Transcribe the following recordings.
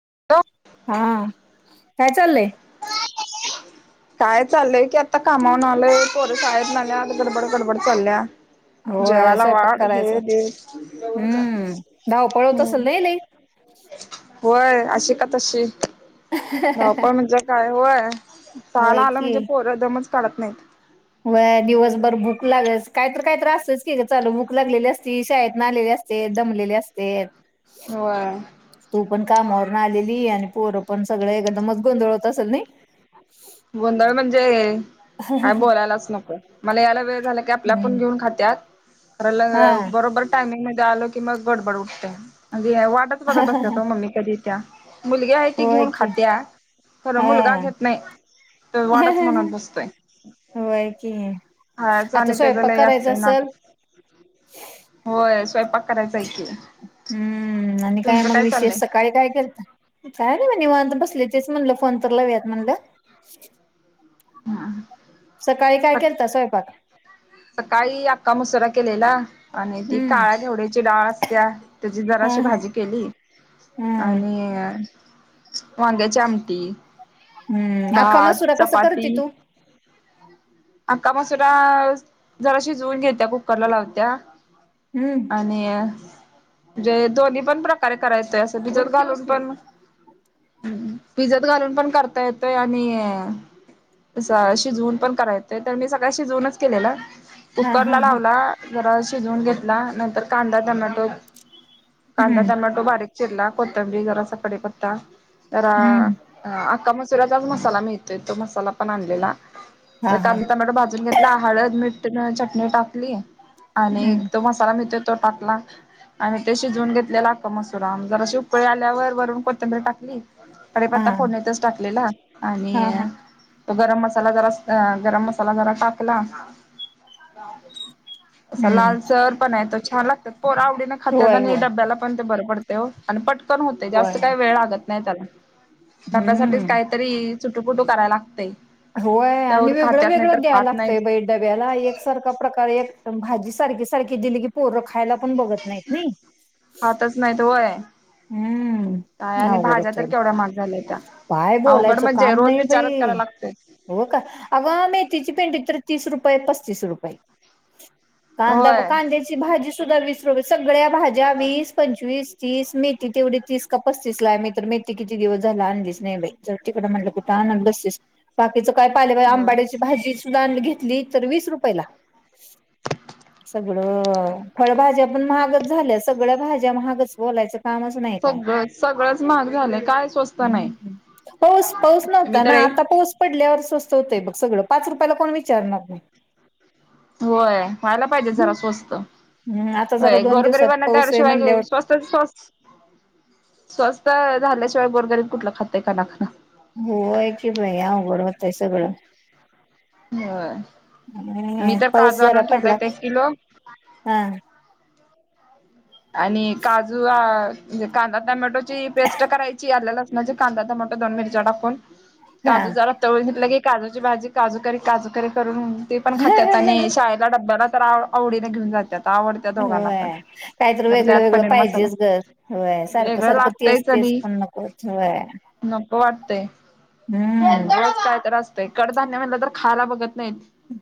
[unintelligible] हा, काय चाललंय? काय चाललंय की, आता कामावन आलोय, पोरं शाळेतनं आल्यात गडबड गडबड चालल्या. होय जेवायला स्वयंपाक वाढ करायचा. हे दे, हम्म धावपळ होत असेल हम्म. नाही लई? [unintelligible] होय, अशी का तशी धावपळ म्हणजे काय होय. ताल होय आला की. म्हणजे पोरं‌ दमच काढत नाहीत. व्हय दिवसभर भूक लागच कायतर कायतर असतंयच की‌ गं चालू, भूक लागलेली असती शाळेतनं आलेली अस तेत, दमलेले असतेत. होय. तू पण कामावरून आलेली आणि पोरं पण सगळं एकदमच गोंधळ होत असेल नाई? गोंधळ म्हणजे काय बोलायलाच नको, मला यायला वेळ झाला की आपल्या आपण हम्म. घेऊन खात्यात. खरं ल, हा बरोबर टायमिंग मध्ये आलो कि मग गडबड उठते. अगं ह्या वाटच बघत असत्यात मम्मी कधी इत्या. मुलगी आहे ती होय घेऊन की खात्या, खर हा. मुलगा घेत नाही. तर वाडचं म्हणत बसतयं. होय की खायाचं आता आणि त्याचं स्वयंपाक लय करायचा असतय नाटक असल होय, स्वयंपाक करायचा हाय की. हम, आणि काय तुमचं मग विशेष चाललंय सकाळी काय केलतं, काय नाही ब निवांत बसले तेच म्हणलं, फोन तर लावुयात म्हणलं. हा. सकाळी काय केलता स्वयंपाक? सकाळी अख्खामसुरा केलेला. आणि ती हम्म काळ्या घेवड्याची डाळ असत्या, त्याची हा जराशी हा भाजी केली. हम्म आणि वांग्याची आमटी हम्म अख्खा भात, मसुरा कसा चपाती. करती तू? अख्खामसुरा जरा शिजवून घेत्या, कुक्करला लावत्या. हम्म आणि अ म्हणजे दोन्ही पण प्रकारे करायचय येतोय, असं भिजत घालून पण भिजत घालून पण करता येतोय आणि असं शिजवून पण कराय येतोय, तर मी सकाळी शिजवूनच केलेला. हा कुकर हा ला हा लावला जरा शिजवून घेतला, नंतर कांदा, टोमॅटो कांदा, हम्म टोमॅटो बारीक चिरला कोथंबीर जरासा कडीपत्ता तर हम्म अख्खा मसुरचाच मसाला मिळतोय, तो मसाला पण आणलेला. हा हा कांदा, टोमॅटो भाजून घेतला हळद, मोठ, चटणी टाकली. आणि हम्म तो मसाला मिळतोय तो टाकला. आणि ते शिजवून घेतलेला अख्खामसुरा जराशी उकळी आल्यावर वरून कोथंबरी टाकली. हा कडीपत्ता फोडनितचं टाकलेला आणि हा हा अ तो गरम मसाला जरास, गरम मसाला जरा टाकला. असा हम्म लालसर पणा येतो, छान! लागतं पोर आवडीने खातात होय आणि होय डब्याला पण बरं पडतय ओ आणि पटकन होतय, जास्त काही वेळ लागत नाही त्याला. हम. तरी सुुटू फुटू करायला लागतय. होय, आणि त्यावर वेगळं खात्यात नाही तर वेगळं द्याय खात नाहीत लागतंय बाई डब्याला एकसारखा प्रकार एक भाजी सारखी सारखी दिली की, पोरं खायला पण बघत नाहीत नाही. खातच नाहीत होय हम. काय? आणि भाज्या तर केवढ्या महाग झाल्यात्या. काय बोलायचं काम नाही बाई लागतोय. हो का? अगं मेथीची पेंडी तीस रुपये पस्तीस रुपये कांदा- होय. कांद्याची भाजी सुधा वीस रुपये सग सगळ्या भाज्या वीस, पंचवीस, तीस मे ती तेवढी तीस का पस्तीस ला आहे, मी तर मेथी किती दिवस झाल आणलीचं नाही बाई, जाऊदे तिकडं म्हटलं कुठं आणतं बसतीस. बाकीच काय पालेभाज्या होय. आंबाड्याची भाजी सुध्दा घेतली तर वीस रुपयेला. सगळं फळभाज्या पण महागच झाल्या, सगळ्या भाज्या महागच बोलायचं कामचं नाही काय? सगळं सगळंच महाग झालंय काय स्वस्त नाही. पाऊस -पाऊस मी नव्हता तर ना. एक आता पाऊस पडल्यावर स्वस्त होतय, बघ सगळं पाच रुपयाला कोण विचारणार नाही. होय, व्हायला पाहिजे जरा स्वस्त. हम्म आता जरा दोन दिवसात गोरगरिबांना पाऊस आहे त्याशिवाय म्हणल्यावर स्वस्तस स्वस्त स्वस्त झाल्याशिवाय, गोरगरिब कुठलं खातयं, कना कना. होय की बाई, अवघड होतय सगळं. होय. मी हम्म तर पाऊस काजू जरा आणून पडला ठेवलेत, एक किलो. हा आणि काजू, कांदा, टोमॅटोची पेस्ट करायची आलं, लसूण म्हणजे कांदा, टमाटा, दोन मिरच्या टाकून हा काजू जरा तळून घेतलं की काजूची भाजी काजूकरी काजूकरी करून ते पण खात्यात आणि शाळेला डब्याला आवडीने घेऊन जात्यात. आवडत्या दोघांना पण होय, काहीतरी वेगळ. तर वेगळं त्यात वेगळं पनीर मसाला पाहिजेच गं होय, सारखं वेगळं सारखं तेच लागतयच तेच आणि पण नको होय. नको वाटतय हम्म काय तर असतंय, कडधान्य म्हणलं तर खायला बघत नाहीत.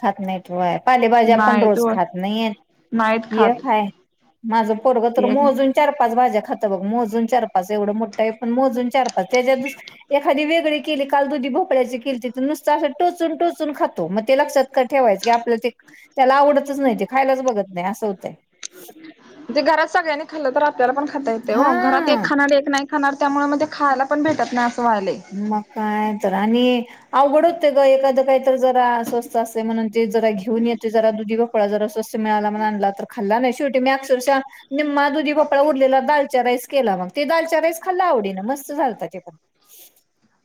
खात नाहीत होय, पालेभाज्या पण नाहीत रोज ओ खात नाहीत एक हाय. माझं पोरग तर ते मोजून चार -पाच भाज्या खातं बघ मोजून चार-पाच. माझ एवढं मोठा आहे, पण मोजून चार -पाच त्याच्या एखादी वेगळी केली काल दुधीभोपळ्याची केलती, नुसतं असं टोचून टोचून खातो म ते लक्षात का ठेवायचं की, आपलं ते त्याला आवडतच नाही ते खायलाच बघत नाही असं होतंय म तेे घरात सगळ्यांनी खाल्लं तर आ आपल्याला पण खाता येतयं ओ घरात हा एक खाणार एक नाही खाणार, त्यामुळे म ते खायला पण भेटत नाही. व्हायलय. मग काय? तर आणि अवघड होतय. एखाद काय तर जरा स्वस्त असतयं म्हणून, ते जरा घेऊन येते जरा दुधी भोपळा जरा स्वस्त मिळाला म्हणून आणला तर खाल्ला नाही, शेवटी मी अक्षरशः निम्मा दुधीभोपळा उरलेला दालच्या राईस केला, मग ते दालच्या राईस खाल्ला आवडी ना मस्त झालता ते पण.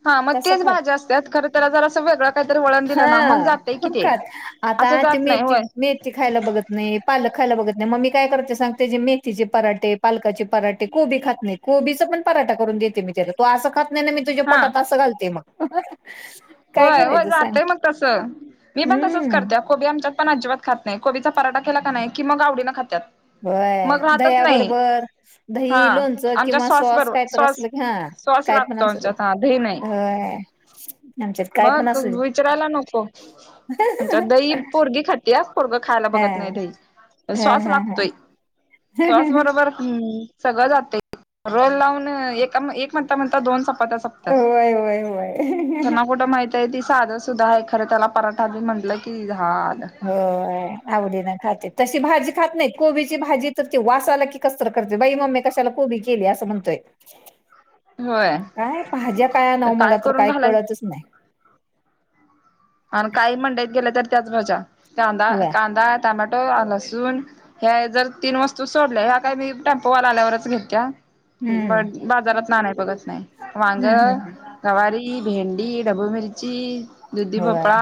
हा, मग तसं तेच खात भाज्या असत्यात, खर तेला जरास काय तर वेगळं काहीतरी वळण दिलं ना मग हा जातय कि ते. खात आता असं ते जात नाही मेथी होय -मेथी खायला बघत नाही, पालक खायला बघत नाही मग मी काय करते सांग? ते जे मेथीचे पराठे, पालकाचे पराठे कोबी खात नाही कोबीचा पण पराठा करून देते मी. तू असं खात नाही ना, मी तुझ्या हा पोटात असं घालते मग. काय होय होय, करायचं सांग जातय मग तस. मी पण तसच हम्म करते, कोबी आमच्यात पण आजिबात खात नाहीत, कोबीचा पराठा केला का नाही की मग आवडीनं खात्यात. होय मग राहतच नाही, दह्याबरोबर हा दही, लोणचं आमच्या किंवा सॉस काय बरोबर तर सॉस असलं की हा साँस काय पण लागतो असू दे आमच्यात आ दही नाही. होय आमच्यात काय पण मग असू दे विचारायला नको, आमच्यात दही पोरगी खात्या. पोरगं खायाला हा बघत नाही दही हा साँस हा हा लागतोय, साँस बरोबर हम सगळं जातयं रोल लावून, एका एक म्हणता म्हणता दोन चपात्या सपतात. होय होय होय. त्यांना कुठं माहित आहे, ती साधं सुद्धा आहे खरे त्याला पराठा बी म्हटलंय. हो होय, आवडीन खात्यात तशी भाजी खात नाहीत, कोबीची भाजी तर वास आला की, कस तर करतयं बाई मम्मे कशाला कोबी केल्या असं म्हणतोय. होय काय भाज्या काय आणावं, मला तर काही कळतच नाही. [inaudible] आण काही मंडईत गेले तर त्याच भाज्या कांदा, होय कांदा, टमाटो ट आल लसून हे्या जर तीन वस्तू सोडल्या, ह्या काय मी टेम्पोवाला आल्यावरच घेतिया? हम्म बट बाजारातन आनाय बघत नाही वांग, हम्म हम्म हम्म. गवारी ती भेंडी, ढबू मिर्ची, दुधी होय भोपळा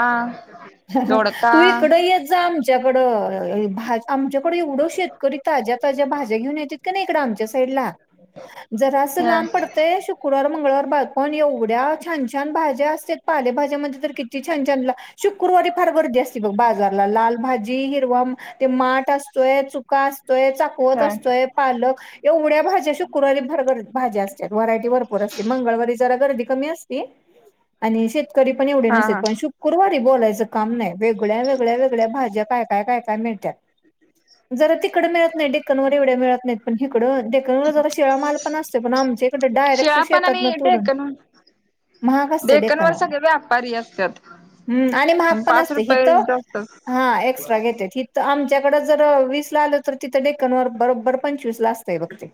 दोडका तू इकड येत जा आमच्याकडं अ अ भा आमच्याकड एवढं शेतकरी ताज्या ताज्या भाज्या घेऊन, येत्यात कनी इकडं आमच्या साइड ला जरा असं ह लांब पडतंय शुकूरवार मंगळवार बाज पण एवढ्या छान छान भाज्या असत्यात पालेभाज्यामध्ये तर किती छान छान शुकूरवारी फार गर्दी असती, बघ बाजारला लाल भाजी, हिरवा भा ते माठ असतोय, चुका असतो तोय, चाकवत ह असतोय, पालक एवढ्या भाज्या शुकुरवारी भरपूर भाज्या असत्यात, व्हरायटी भरपूर असते. मंगळवारी जरा गर्दी कमी असती आणि शेत तरी पण एवढे हा नसेत हा पण शुकुरवारी बोलायचं काम नाही, वेगळ्या वेगळ्या वेगळ्या भाज्या काय काय काय काय मिळत्यात, जरा तिकड मिळत नाही डेक्कन वर मिळत नाही पण तिकड डेक्कन वर जरा शिळ माल पण असतय, पण आमच्या इकड डायरेक्ट शिळा पण शेतात न आणि तोडून डेकन महाग असतय डेकन डेक्कन वर सगळे व्यापारी असतात हम. आणि म्हाग पण पाच असतय हित रुपये जास्त हा एक्स्ट्रा घेत्यात. तर आमच्याकडे जर वीस ला आलं तर तिथं, डेकनवर बरोबर पंचवीस ला असतय. बघते बघते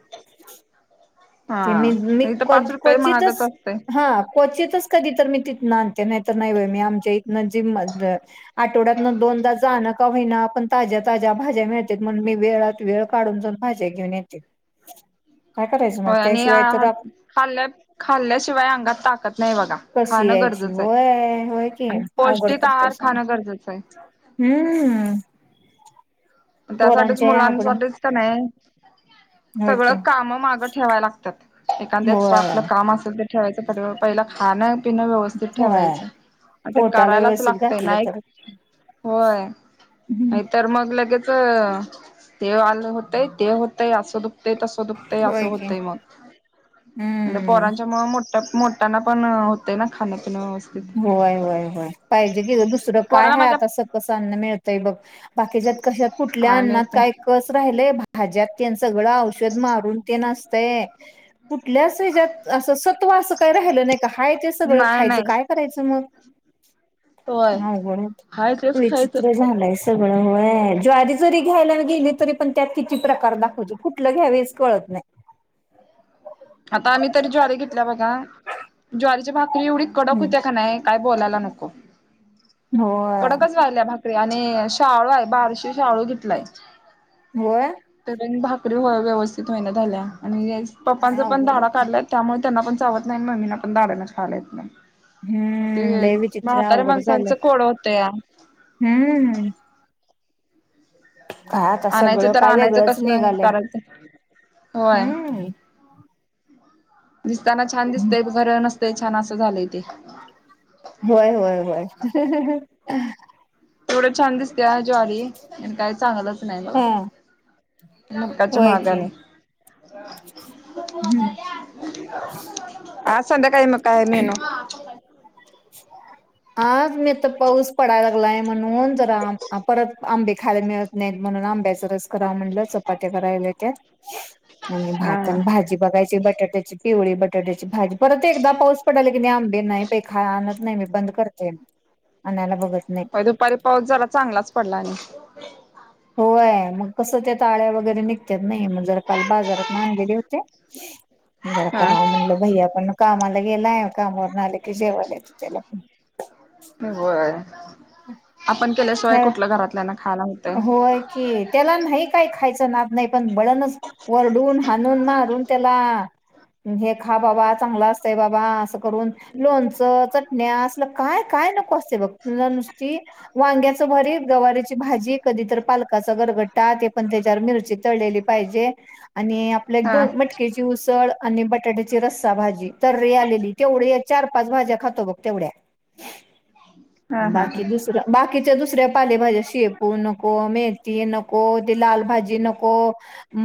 म मी हा इथं पाच रुपये महागच क्वचितच असतय हा क्वचितच कधी तर मी तिथन आणते नाही तर नाही बाई मी आम म्हजे म द आठवड्यातन दोनदा जाणं न का व्हईना आपण ताज्या ताज्या भाज्या मिळत्यात, म्हणून मी वेळात वेळ काढून जाऊन भाज्या घेऊन येते. ह. हो आणि खाल् खाल्ल्याशिवाय अंगात ताकद नाही बघा खाणं गर व्हय होय की अवगड पडतय आहार सारं खाणं गरजेचं आहे हम्म. त्यासाठीच पोरांच्या या अवघड मुलांसाठीच काय नाही. होय सगळ की काम मागं ठेवाय लागत्यात, एखांद एक्स्ट्रा होय आपलं काम असेल ठेवायचं पाठीमागं, पहिला खाणं पिणं व्यवस्थित होय ठेवायचं. ते पोटाला करायलाच व्यवस्थित लागतय, घातलं नाही तर होय हम्म, नाही तर मग लगेच ते वाल होतय ते होतय असं दुख ते तसं दुखतंय असं होय की होतंय, मग हम्म पोरांच्या मूळ मोठ्या त्यात मोठयाना पण होतय, ना खाण् पिन व्हय व्हय व्हय पाहिजे की ग दुसरं काय पोराला हाय? माझ्या आता सकस अन्न मिळतंय बघ- बाकीच्यात कशात कुठल्या काय अन्नात माहित नाही काय कस राहिलय? भाज्यात तेन सगळं औषध मारून तेन असतय. कुठल्याच हेच्यात असं सत्त्व असं काही राहिलं नाही, का हाय ते सगळं नाही खायचं नाही काय? करायचं मग अवघड होतय, हाय तू तेच खायचं विचित्र झालायस. सगळ व्हय ज्वारी जरी घ्यायला गेली तरी, पण त्यात किती प्रकार दाखवतेत कुठलं घ्यावेच कळत नाही. आता आम्ही तरी ज्वारी घेतल्या बघा, ज्वारीची भाकरी एवढी कडक नाही. होतिया का नाही काय? बोलायला नको होय कडकच व्हायल्या आणि शाळू हाय बारशीे शाळू घेतलाय, होय तेन आणि भा चुलीवर व्य व्यवस्थित व्हाईना झाल्या आणि काय पपांच्या पण अवघड दाढा होतंय. काढल्यात त्यामुळ त्यांना पण चावत नाही मम्मीना पण दाडनच खायला येत नाही. हम्म ते लय विचित्र म्हातऱ्या अवघड झालंय माणसांचं कोड होत या. हम्म. हा आता सगळं आणायचं तर काय आणायचं वेगळंच कसं निघालंय? करायचं होय हम्म. दिसताना छान दिसतय खर नसतय छान असं झालंय ते व्हय व्हय व्हय तेवढीच छान दिसतिया ज्वारी पण, काय चांगलंच नाही बघा. हा मकाच्या होय की, महागाने हम. [unintelligible] आज संध्याकाळी मग काय मेनू? [unintelligible] आज मी आता पाऊस पडायला लागलाय, म्हणून जरा आ परत आंबे खायला मिळत नाहीत म्हणून म्हणून आंब्यांचा रस कराव म्हणलं, चपात्या करायला येत्यात आणि भात, हा. आणि भाजी बघायची बटाट्याची पिवळी बटाट्याची भाजी परत एकदा पाऊस पडायला की नाही, आंबे नाही बाई. काय आणत नाही मी बंद करते, आणायला बघत नाही. दुपारी पाऊस झाला, चांगलाच पडला आणि होय, मग कसं त्यात आळ्या वगैरे निघत्यात नाही मग जरा काल बाजारात आणलेले होते. जरा हा करावं म्हणलं, भैया पण कामाला गेलाय कामावर आलं की जेवायला येतय, त्याला. होय. आपण केल्याशिवाय कुठलं घरातल्या ना होय, की त्याला नाही काय खायचा नाद नाही पण बळणच वरडून हाणून मारून त्याला हे खा बाबा चांगलं असतंय बाबा असं करूण लोणच, चटण्या असलं काय काय नको असतय बघं, तेला नुसती वांग चं भरीत गवारीची भाजी कधी तर पालकाचां गरघट्टा ते पण त्याच्यावर मिरची तळलेली पाहिजे. आणि आपल्या एक हा -दोन मटकेची उसळ. आणि बटाट्याची रस्सा भाजी तर्री आलेली, तेवढ्या चार -पाच भाज्या खातो बघ तेवढ्या. हा हा बाकी हा. दुसर बाकीच्या दुसऱ्या पाले भाज्या शेप पू नको मेथी नको ते लाल भाजी नको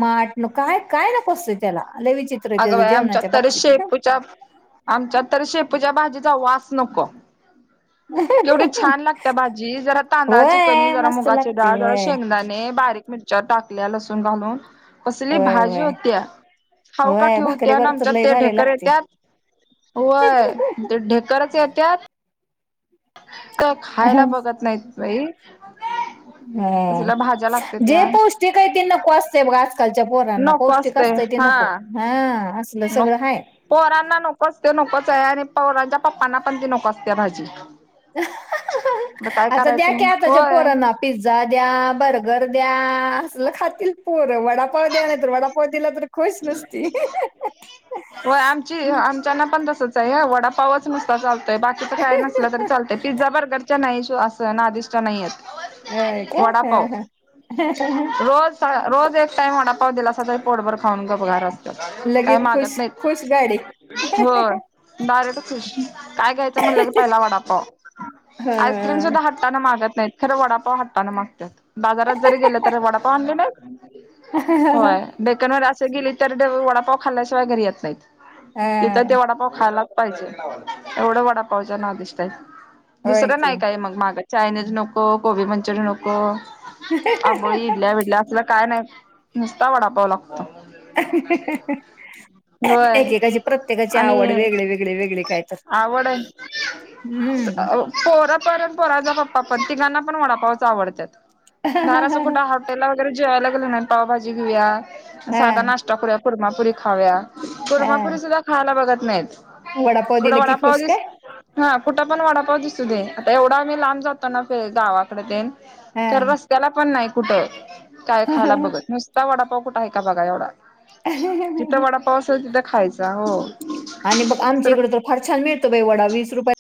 माठ नको काय काय नको असतयं त्याला. लय विचित्र अगं त्याच बाई! आमच्या जेवणाच्या तर बाबतीत शेपूच्या आमच्या तर शेप शेपूच्या भाजीचा वास नको. केवढी छान लागत्या भाजी, जरा तांदळाची कणी होय जरा मस्त मुगाची लागते डाळ, जरा होय शेंगदाणे बारीक मिरच्या टाकल्या, लसूण घालून कसली होय भाजी होय होत्या, खावू का होय ठेवू भाकरी होत्या, ना बरोबर आमच्या लय ते भारी ढेकर लागते येत्यात. होय, ते ढेकरच येत्यात. तर खायला बघत नाहीत, बाई! हअ. कसल्या भाज्या लागते जे त्या पौष्टिक हाय ते नको असतंयब आजकालच्या पोरांना नको पौष्टिक असते असतंय ते नको हा ह. [unintelligible] पोरांना नको ते नकोचय आणि पोरांच्या पप्पांना पण ती नको असतीया भाजी. काय [inaudible] आता द्या करायचं की मग आताच्या होय. पोरांना पिझ्झा द्या. बर्गर द्या. ह असल खातील पोर वडापाव द्या नाहितर वडापाव दिला तर खुश नसती. व्हय आमची ह आमच्यानापण तसचं. वडापावच नुसता चालतोय. बाकीचं काय नसलं तरी चालतय. पिझ्झा बर्गरच्या नाही अस नादिष्ट नाहीयेत. होय का? वडापाव हं ह [inaudible] रोज रोज एक टाइम वडापाव दिलासा तर पोटभर खाऊन गपगार अस- - काय लगेच खुश मागत नाहीत. खुश गाडी हो डायरेक्ट खुश काय घ्यायचं म्हणलं की पहिला वडापाव. आईस्क्रीम हा. सुद्धा हंटान मागत नाही. खरं वडापाव हाट्टान मागत्यात. बाजारात जरी गेल तरी वडापाव आणली नाहीस. होय डेकनवर अस गेली तर वडापाव खाल्ल्याशिवाय घरी येत नाहीत. तिथं ते हा. वडापाव खायलाच पाहिजे. एवढं वडापावच्या नादिष्ट हाईत. होय दुसरं की नाही काय मग मागत चायनीज नको कोबी मंचुरियन नको आबोळी, इडल्या बीडल्या असल काय नाही नुसता वडापाव लागतो. [unintelligible] होय एकेकाची प्रत्येकाची आवड वेगळे वेगळे वेगळे काय तर [inaudible] पोर हम्म पण पोराचा पप्पा पण तिघा पण वडापावच आवडतात बाहेर असं कुठे हा, हॉटेलला वगैरे जेवायला गेलो ना पावभाजी घेऊया साधा नाश्ता करूया कुरमापुरी खाऊया हा. कुरमापुरी सुद्धा खायला बघत नाहीत. वडापाव थोडा दिला की वडापाव खुश दिस काय हा कुठं पण वडापाव दिसू दे आता एवढा मी लांब जातो ना गावाकडे तेन हा. तर रस्त्याला पण नाही कुठं काय खायला बघत नुसता वडापाव कुठं आहे का बघा एवढा जिथं वडापाव असल तिथं खायचा हो आणि बग आमच्या इकडे तर फार छान मिळतो बाई वडा वीस रुपयाला